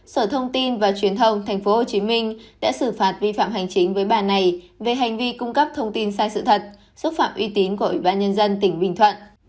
sở thông tin và truyền thông tp hcm đã xử phạt vi phạm hành chính với bà này về hành vi cung cấp thông tin sai sự thật xúc phạm uy tín của ủy ban nhân dân tỉnh bình thuận